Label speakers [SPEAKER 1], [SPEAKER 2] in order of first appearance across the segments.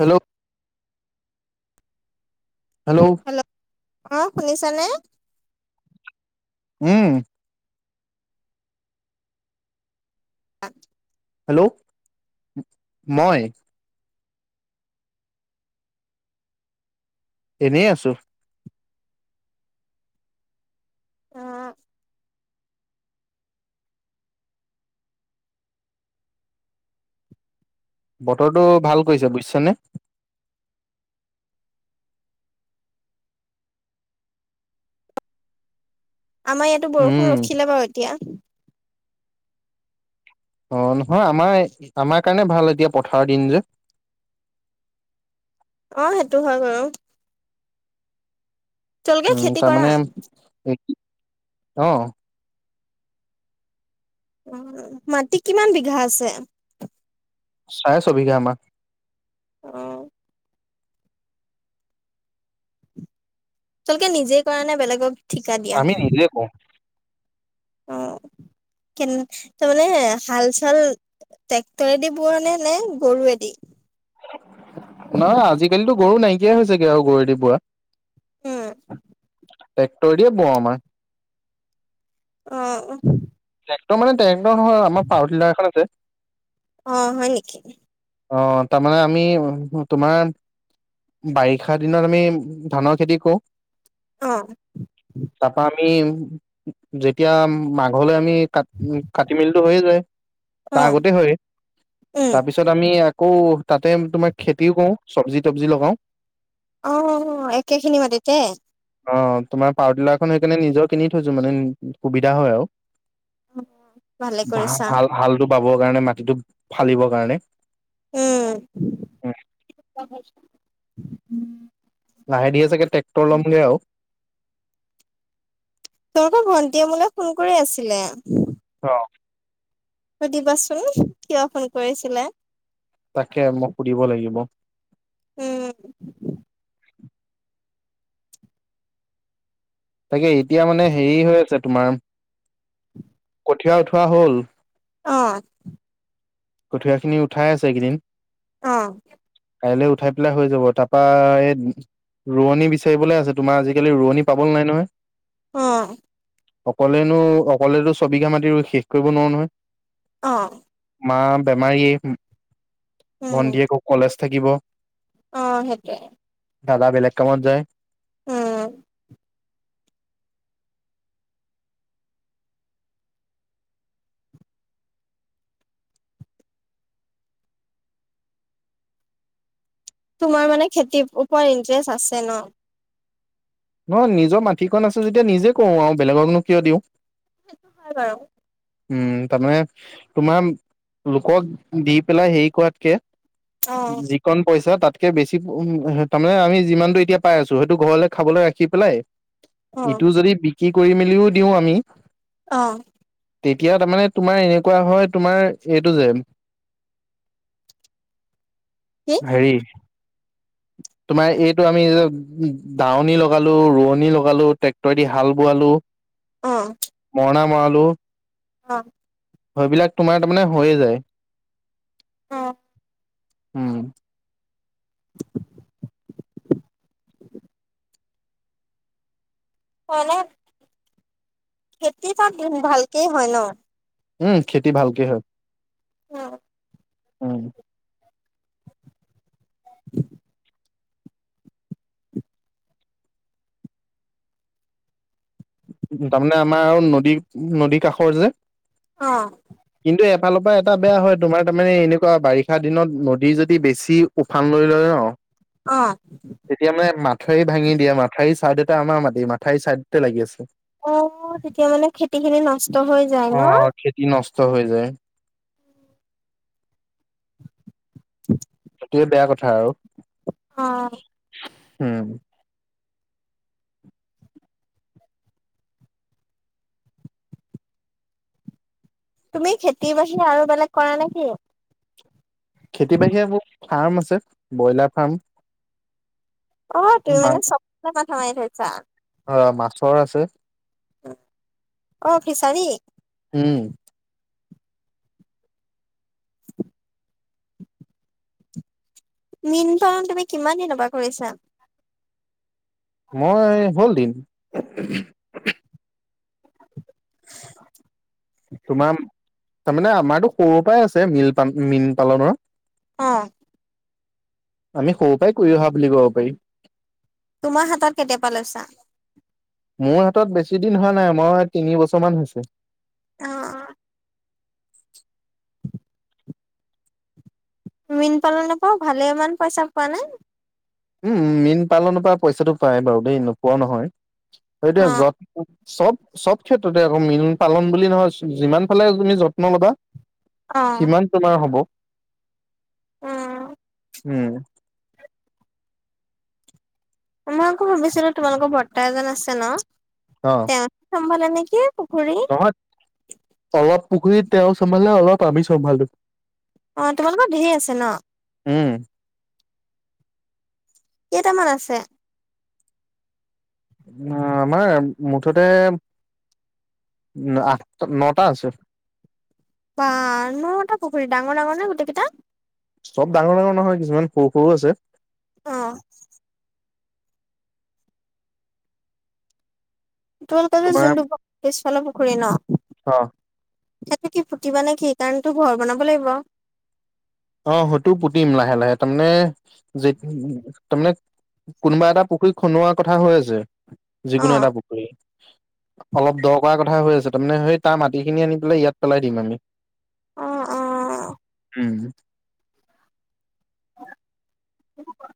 [SPEAKER 1] Hello hello
[SPEAKER 2] hello, অ শুনিছানে?
[SPEAKER 1] উম।
[SPEAKER 2] [unintelligible]
[SPEAKER 1] Hello, মই। এনেই আছো।
[SPEAKER 2] অ।
[SPEAKER 1] বতৰটো ভাল কৰিছে বুইছানে?
[SPEAKER 2] আমাৰ ইয়াতো
[SPEAKER 1] উম
[SPEAKER 2] বৰষুণ ৰখিলে বাৰু এতিয়া।
[SPEAKER 1] অ নহয় আমাৰ আমাৰ কাৰণে ভাল এতিয়া পথাৰৰ দিন যে।
[SPEAKER 2] অ সেইটো হয় বাৰু। তেওঁলোকে খেতি কৰা
[SPEAKER 1] তাৰমানে এই অ
[SPEAKER 2] মাটি কিমান বিঘা আছে?
[SPEAKER 1] চাই ছবিঘা আমা।
[SPEAKER 2] অ। চলকে নিজে কৰা নে বেলেগক ঠিকা দিয়া।
[SPEAKER 1] আমি নিজে কও।
[SPEAKER 2] অ
[SPEAKER 1] [inaudible]
[SPEAKER 2] কেন তা মানে হাল চাল ট্ৰেক্টৰেদি বোৱা নে গৰুৱেদি?
[SPEAKER 1] নহয় আজিকালিতো গৰু নাইকিয়াই হৈছেগে আৰু গৰুদি বোৱা।
[SPEAKER 2] উম
[SPEAKER 1] টেক্টৰ দিয়ে বওঁ আমাৰ
[SPEAKER 2] অ
[SPEAKER 1] ট্ৰেক্টৰ মানে ট্ৰেক্টৰ নহয় আমাৰ পায়াৰ টিলাৰ এখন আছে
[SPEAKER 2] অ হয় নিকি
[SPEAKER 1] অ তাৰমানে আমি তোমাৰ বাৰিষা দিনত আমি ধানৰ খেতি কৰো
[SPEAKER 2] অ
[SPEAKER 1] তাপা আমি যেতিয়া মাঘলৈ আমি কাট উ কাটি মিল টো হৈয়ে যায়
[SPEAKER 2] অ
[SPEAKER 1] তাৰ আগতে হয় তাৰপিছত
[SPEAKER 2] উম
[SPEAKER 1] তাৰপিছত আমি আকৌ তাতে তোমাৰ খেতিও কৰো চব্জি তবজি লগাও
[SPEAKER 2] অ অ একে খিনি মাটিতে
[SPEAKER 1] অ তোমাৰ পাৱাৰ টিলাৰখন সেইকাৰণে নিজৰ কিনি থৈছো মানে সুবিধা হয় আৰু
[SPEAKER 2] অ
[SPEAKER 1] ভা হাল হাল টো বাবৰ কাৰণে মাটিটো ফালিবৰ কাৰণে
[SPEAKER 2] উম
[SPEAKER 1] লাহে ধীয়ে চাগে টেক্টৰ ল'মগে আৰু
[SPEAKER 2] তোমালোকৰ ভন্টিয়ে মোলে ফোন কৰি আছিলে
[SPEAKER 1] অ
[SPEAKER 2] সুধিবাচোন কিয় ফোন কৰিছিলে
[SPEAKER 1] তাকে মই সুধিব লাগিব
[SPEAKER 2] উম
[SPEAKER 1] তাকে এতিয়া মানে হেৰি হৈ আছে তোমাৰ কঠীয়া উঠোৱা হ'ল
[SPEAKER 2] অ
[SPEAKER 1] কঠীয়াখিনি উঠাই আছে এইকেইদিন
[SPEAKER 2] অ।
[SPEAKER 1] কাইলৈ উঠাই পেলাই হৈ যাব তাপা এইন ৰোৱনী বিচাৰিবলৈ আছে তোমাৰ আজিকালি ৰোৱনী পাবলৈ নাই নহয়।
[SPEAKER 2] অ
[SPEAKER 1] অকলেনো অকলেতো ছবিঘা মাতি ৰুই শেষ কৰিব নোৱাৰো নহয়
[SPEAKER 2] অঁ
[SPEAKER 1] মা বেমাৰীয়ে
[SPEAKER 2] উম,
[SPEAKER 1] ভন্টীয়ে আক কলেজ থাকিব
[SPEAKER 2] অ সেইটোৱে
[SPEAKER 1] দাদা বেলেগ কামত যায়
[SPEAKER 2] উম, তোমাৰ মানে খেতিৰ ওপৰত ইণ্টেৰেষ্ট আছে ন
[SPEAKER 1] নহ নিজৰ মাটিখন আছে যেতিয়া নিজে কৰো আৰু বেলেগক নো কিয় দিওঁ।
[SPEAKER 2] সেইটো হয় বাৰু।
[SPEAKER 1] উম তাৰমানে তোমাৰ লোকক দি পেলাই হেৰি কৰাতকে।
[SPEAKER 2] অ',
[SPEAKER 1] যিক কণ পইচা তাতকে বেছি উ তাৰমানে আমি যিমানটো এতিয়া পাই আছো হয়টো ঘৰলে খাবলৈ ৰাখি পেলাই।
[SPEAKER 2] অ',
[SPEAKER 1] ইটো যদি বিক্ৰী কৰি মেলিও দিওঁ আমি।
[SPEAKER 2] অ।
[SPEAKER 1] তেতিয়া তাৰ মানে তোমাৰ এনেকুৱা হয় তোমাৰ এইটো যে।
[SPEAKER 2] কি?
[SPEAKER 1] হেৰি। তোমাৰ এইটো আমি যে দাৱনি লগালো ৰোৱনী লগালো ট্ৰেক্টৰে দি হাল বোৱালো। মৰণা মৰালো।
[SPEAKER 2] অহঁ।
[SPEAKER 1] সৈ বিলাক তোমাৰ তাৰমানে হৈয়ে যায়।
[SPEAKER 2] অহঁ।
[SPEAKER 1] উম।
[SPEAKER 2] [unintelligible] হয়নে খেতি তাত ভালকেই হয় ন'?
[SPEAKER 1] উম খেতি ভালকে হয়।
[SPEAKER 2] উম।
[SPEAKER 1] উম। উম তাৰমানে আমাৰ আৰু নদী-নদী কাষৰ যে।
[SPEAKER 2] অ'।
[SPEAKER 1] কিন্তু এফালৰ পৰা এটা বেয়া হয়, তোমাৰ তাৰমানে এনেকুৱা বাৰিষা দিনত নদীৰ যদি বেছি উফান লৈ লয় অ'।
[SPEAKER 2] অ'।
[SPEAKER 1] তেতিয়া মানে মথাউৰি ভাঙি দিয়ে মথাউৰিৰ ছাইডতে আমাৰ মাটি মাথাউৰিৰ চাইডতে লাগি আছে।
[SPEAKER 2] অ' তেতিয়া হ'লে খেতিখিনি নষ্ট হৈ যায় ন'।
[SPEAKER 1] কি নষ্ট হৈ যায়।
[SPEAKER 2] [unintelligible]
[SPEAKER 1] এইটোৱে বেয়া কথা আৰু।
[SPEAKER 2] অ'।
[SPEAKER 1] উম।
[SPEAKER 2] তুমি খেতিৰ বাহিৰে আৰু বেলেগ কৰা নেকি?
[SPEAKER 1] খেতি বাহিৰে মোৰ ফাৰ্ম আছে ব্ৰইলাৰ ফাৰ্ম।
[SPEAKER 2] অ' তুমি
[SPEAKER 1] মা
[SPEAKER 2] মানে চবফালে মাথা মাৰি থৈছা।
[SPEAKER 1] অ' [unintelligible] মাছৰ আছে।
[SPEAKER 2] অ' ফিচাৰী।
[SPEAKER 1] উম।
[SPEAKER 2] মীন পলন তুমি কিমান দিনৰ পৰা কৰিছা?
[SPEAKER 1] মই হ'ল দিন। তোমাৰ তাৰমানে আমাৰতো সৰুৰে পৰাই আছে মীল পালন মীন পালনৰ।
[SPEAKER 2] অ'
[SPEAKER 1] আমি সৰু পৰাই কৰি অহা বুলি ক'ব পাৰি।
[SPEAKER 2] তোমাৰ হাতত কেতিয়াৰ পৰা লৈছা?
[SPEAKER 1] মোৰ হাতত বেছি দিন হোৱা নাই মই তিনি বছৰমান হৈছে।
[SPEAKER 2] অ'-অ'। মীন পালনৰ পৰাওঁ ভালেমান পইচা পোৱানে?
[SPEAKER 1] উম মীন পালনৰ পৰা পইচাটো পাই বাৰু দেই নোপোৱাও নহয়। এতিয়া
[SPEAKER 2] অ
[SPEAKER 1] য'ত চব-চব ক্ষেত্ৰতে আকৌ মীন পালন বুলি নহয় যিমান ফালে তুমি যত্ন ল'বা
[SPEAKER 2] অ
[SPEAKER 1] সিমান তোমাৰ হ'ব।
[SPEAKER 2] উম
[SPEAKER 1] উম
[SPEAKER 2] মই আকৌ ভাবিছিলোঁ তোমালোকৰ বৰ্তা এজন আছে ন'
[SPEAKER 1] অ'
[SPEAKER 2] তেওঁ চম্ভালে নেকি পুখুৰী।
[SPEAKER 1] নহয় অলপ পুখুৰী তেওঁ চম্ভালে অলপ আমি চম্ভালো।
[SPEAKER 2] অ' তোমালোকৰ ঢেৰ আছে ন'?
[SPEAKER 1] উম
[SPEAKER 2] কেইটামান আছে?
[SPEAKER 1] অ' আমাৰ মুঠতে আঠটা, নটা আছে।
[SPEAKER 2] বাহ নটা পুখুৰী ডাঙৰ-ডাঙৰ নে গোটেইকেইটা?
[SPEAKER 1] চব ডাঙৰ-ডাঙৰ নহয় কিছুমান সৰু-সৰু আছে।
[SPEAKER 2] অ' তোমালোকৰ যে
[SPEAKER 1] তোমাৰ
[SPEAKER 2] যোনটো পিছফালৰ পুখুৰী ন'
[SPEAKER 1] অ
[SPEAKER 2] সেইটো কি পুতিবা নে কি কাৰণটো ঘৰ বনাব লাগিব।
[SPEAKER 1] অ' সেইটো পুতিম লাহে-লাহে তাৰমানে যে তাৰমানে কোনোবা এটা পুখুৰী খন্দোৱাৰ কথা হৈ আছে।
[SPEAKER 2] অ
[SPEAKER 1] যিকোনো এটা পুখুৰী অলপ দ কৰাৰ কথা হৈ আছে তাৰমানে সেই, তাৰ মাটিখিনি আনি পেলাই ইয়াত পেলাই দিম আমি।
[SPEAKER 2] অ', অ',
[SPEAKER 1] উম,
[SPEAKER 2] ব [unintelligible]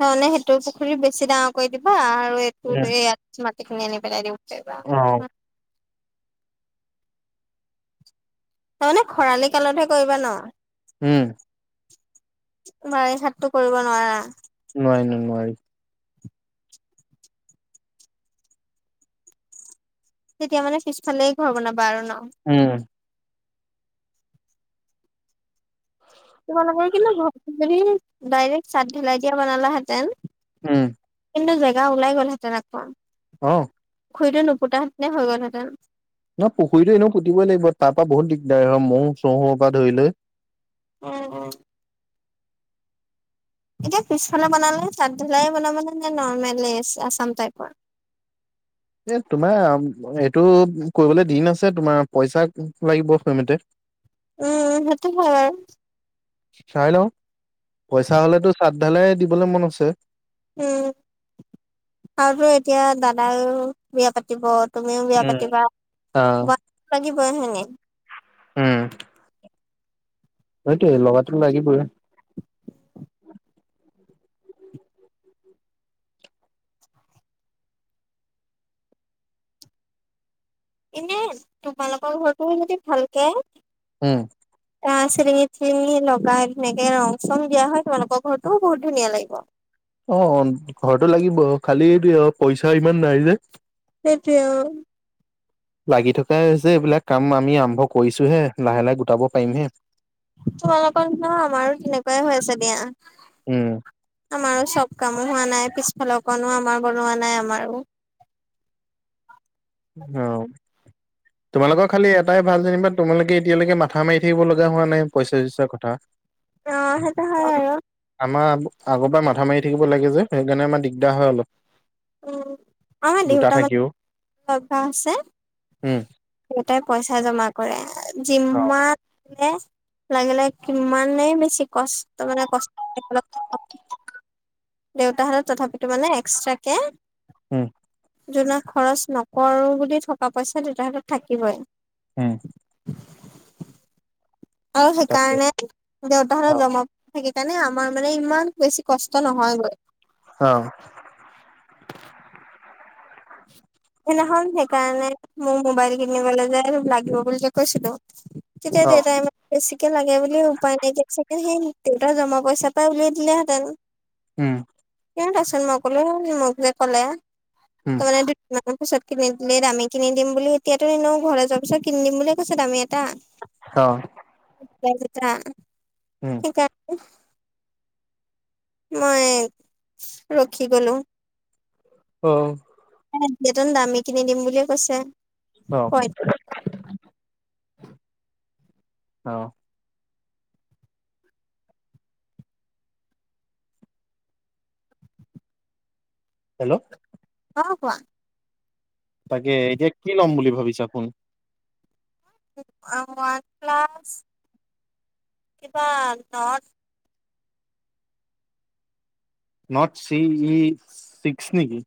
[SPEAKER 2] নহলে সেইটো পুখুৰী বেছি ডাঙৰ কৰি দিবা আৰু। [unintelligible] কি নেনে বেলাই দে উতিবা
[SPEAKER 1] অ',
[SPEAKER 2] তাৰমানে খৰালি কালতহে কৰিবা ন।
[SPEAKER 1] উম,
[SPEAKER 2] বাৰিষাত টো কৰিব নোৱাৰা।
[SPEAKER 1] নোৱাৰি-নোৱাৰি।
[SPEAKER 2] তেতিয়া মানে পিছফালে ঘৰ বনাবা আৰু ন।
[SPEAKER 1] উম,
[SPEAKER 2] ত মানে ক কি ন ঘৰ [unintelligible] ডাইৰেক্ট চাট ঢালাই দিয়া বনালাহেঁতেন।
[SPEAKER 1] উম,
[SPEAKER 2] কিন্তু জেগা ওলাই গ'লহেঁতেন আকৌ।
[SPEAKER 1] অ',
[SPEAKER 2] পুখুুৰীটো নুপুতাহেতেনে হৈ গল হেতেন।
[SPEAKER 1] নহয় পুখুৰীটো এনেও পুতিবই লাগিব তাৰ পৰা বহুত দিগদাৰ হয় মহো চহো পৰা ধৰি লৈ।
[SPEAKER 2] উম, উম, এতিয়া পিছফালে বনালে চাঁত ধালায় বনাবানে নে নৰ্মলে আচাম টাইপৰ।
[SPEAKER 1] এ তোমাৰ এইটো কৰিবলৈ দিন আছে তোমাৰ পইচা লাগিব সেই মতে। [unintelligible]
[SPEAKER 2] উম, সেইটো হয় বাৰু।
[SPEAKER 1] চাই লও, পইচা হলেতো চাদ ধালাই দিবলে মন আছে।
[SPEAKER 2] উম, আৰুতো এতিয়া দাদা বিয়া পাতিব। তুমিও বিয়া পাতিবা,
[SPEAKER 1] অ
[SPEAKER 2] পাতিবতো লাগিবই হয় নাই।
[SPEAKER 1] উম, সেইটোৱেই লগাটো লাগিবয়েই।
[SPEAKER 2] এনেই তোমালোকৰ ঘৰটো যদি ভালকে
[SPEAKER 1] উম,
[SPEAKER 2] এ চিলিঙি টিলিঙি লগাই ধুনীয়া ধুনীয়াকৈ ৰং চং দিয়া হয় তোলোকৰ ঘৰতো বহুত ধুনীয়া লাগিব।
[SPEAKER 1] অ' ঘৰতো লাগিব খালি পইচা ইমান নাই যে।
[SPEAKER 2] সেইটোৱে অ,
[SPEAKER 1] লাগি থকাই যে এইবিলাক কাম আমি আৰম্ভ কৰিছোহে লাহে-লাহে গোটাব পাৰিমহে।
[SPEAKER 2] তোমালোকৰ ন আমাৰো তেনেকুৱাই হৈ আছে দিয়া।
[SPEAKER 1] উম,
[SPEAKER 2] আমাৰো চব কামো হোৱা নাই পিছফালৰ অকণো আমাৰ বনোৱা নাই আমাৰো।
[SPEAKER 1] অ', তোমালোকৰ খালি এটাই ভাল যেনিবা তোমালোকে এতিয়ালৈকে মাথা মাৰি থাকিব লগা হোৱা নাই পইচা চইচাৰ কথা।
[SPEAKER 2] অ, সেইটা হয় আ বাৰু।
[SPEAKER 1] আমাৰ আগৰ পৰা মাথা মাৰি থাকিব লাগে যে সেইকাৰণে আমাৰ দিগদাৰ হয় অলপ।
[SPEAKER 2] উম, আমাৰ
[SPEAKER 1] দুটা
[SPEAKER 2] দেউতা
[SPEAKER 1] থাকিও
[SPEAKER 2] মান অভ্যাস আছে।
[SPEAKER 1] উম,
[SPEAKER 2] দেউতাই পইচা জমা কৰে
[SPEAKER 1] অ
[SPEAKER 2] যিমা লাগিলে কিমানেই বেছি কষ্ট মানে কষ্ট। দেউতাহঁতত তথাপিতো মানে এক্সট্ৰাকে।
[SPEAKER 1] ওম
[SPEAKER 2] যোনাক খৰচ নকৰো বুলি থকা পইচা দেউতাহাতত থাকিবই।
[SPEAKER 1] ওম।
[SPEAKER 2] আও
[SPEAKER 1] তাকে
[SPEAKER 2] সেইকাৰণে
[SPEAKER 1] অ
[SPEAKER 2] দেউতাহাতত জমা থাকি কাৰণে আমাৰ মানে ইমান বেছি কষ্ট নহয়গৈ।
[SPEAKER 1] অ'
[SPEAKER 2] সেইদিনাখন সেইকাৰণে মো মোবাইল কিনিবলে যে লাগিব বুলি যে কৈছিলো তেতিয়া
[SPEAKER 1] অ
[SPEAKER 2] দেউতাই মোক বেছিকে লাগে বুলি উপায় নাইকিয়া চাগে সেই দেউতা জমা পইচাৰ পৰা উলিয়াই দিলেহেঁতেন
[SPEAKER 1] উম
[SPEAKER 2] কিয়দাচন মই কলো মোক যে কলে
[SPEAKER 1] উম
[SPEAKER 2] ত মানে মোক পিছত কিনি দিলে দামী কিনি দিম বুলি এতিয়াতো নিনো ঘৰ যোৱাৰ পিছত কিনি দিম বুলি কৈছে দামী এটা।
[SPEAKER 1] অ'
[SPEAKER 2] [unintelligible]
[SPEAKER 1] উম,
[SPEAKER 2] সেইকাৰণে [unintelligible] মই ৰখি গলো।
[SPEAKER 1] অ'
[SPEAKER 2] তেতিয়া টো দামী কিনি দিম বুলিয়ে কৈছে
[SPEAKER 1] অ
[SPEAKER 2] পইচা
[SPEAKER 1] অ। হেল্ল'
[SPEAKER 2] অ 'কোৱা
[SPEAKER 1] তাকে এতিয়া কি ল'ম বুলি ভাবিছা ফোন
[SPEAKER 2] ওৱান প্লাছ কিবা Nord
[SPEAKER 1] Nord C E six নেকি।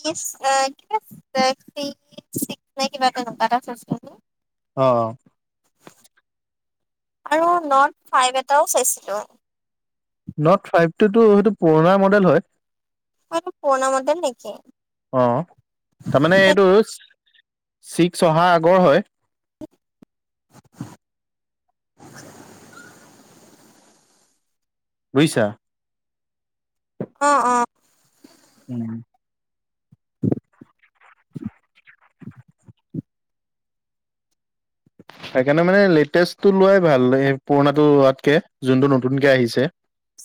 [SPEAKER 2] ছিক্স এ কিবা এটা চি ই ছিক্স নে কিবা তেনেকুৱা এটা চাইছিলোঁ
[SPEAKER 1] অ।
[SPEAKER 2] আৰু নট ফাইভ এটাও চাইছিলোঁ।
[SPEAKER 1] নট ফাইভ টোতো সেইটো পুৰণা মডেল হয়।
[SPEAKER 2] অ সেইটো পুৰণা মডেল নেকি?
[SPEAKER 1] অ তাৰমানে
[SPEAKER 2] তে-
[SPEAKER 1] এইটো ছিক্স অহা আগৰ হয়।
[SPEAKER 2] [inaudible]
[SPEAKER 1] বুইছা?
[SPEAKER 2] অ - অ
[SPEAKER 1] উম। সেইকাৰণে মানে লেটেষ্টটো লোৱাই ভাল, সেই পুৰণাটো লোৱাতকে যোনটো নতুনকে আহিছে।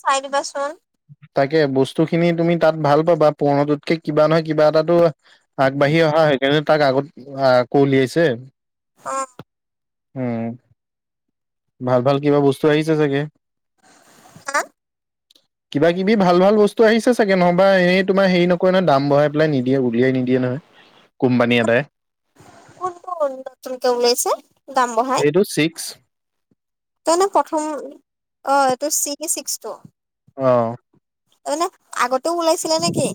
[SPEAKER 2] চাই দিবা চোন।
[SPEAKER 1] তাকে বস্তু খিনি তুমি তাত ভাল পাবা, পৰ্ণাটোতকে কিবা নহয় কিবা এটাতো আগবাঢ়ি অহা সেইকাৰণে তাক আগত আকৌ উলিয়াইছে।
[SPEAKER 2] অ।
[SPEAKER 1] উম। ভাল ভাল কিবা বস্তু আহিছে চাগে।
[SPEAKER 2] হা
[SPEAKER 1] কিবা কিবি ভাল ভাল বস্তু আহিছে চাগে, নহবা এনেই তোমাৰ হেৰি নকয় নহয় দাম বঢ়াই পেলাই নি দিয়ে উলিয়াই নিদিয়ে নহয়, কোম্পানী এটায়।
[SPEAKER 2] আকৌ নতুনকে ওলাইছে দাম বঢ়াই।
[SPEAKER 1] Two six.
[SPEAKER 2] তই নে প্ৰথম অ এইটো চি কি চিক্স টো?
[SPEAKER 1] অ।
[SPEAKER 2] তামানে আগতেও ওলাইছিলে নেকি?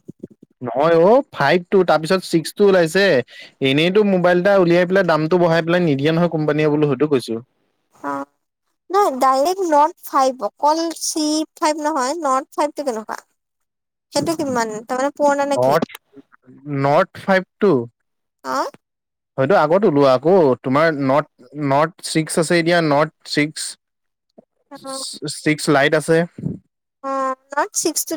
[SPEAKER 1] নহয় অ ফাইভ টো তাৰপিছত ছিক্স টো ওলাইছে। এনেইটো মোবাইল এটা উলিয়াই পেলাই দামটো বঢ়াই পেলাই নিদিয়ে নহয় কোম্পানীয়ে বোলো সেইটো কৈছো। [inaudible]
[SPEAKER 2] নাই ডাইৰেক্ট নট ফাইভ অকল চি ফাইভ নহয়, নদ ফাইভ টো কেনেকুৱা? সেইটো কিমান? তামানে
[SPEAKER 1] নট, নট ফাইভ টু?
[SPEAKER 2] আ।
[SPEAKER 1] হয়তো আগত ওলোৱা আকৌ তোমাৰ নট নট ছিক্স আছে এতিয়া নট ছিক্স। ছিক্স লাইট আছে।
[SPEAKER 2] অ শট ছিক্সটো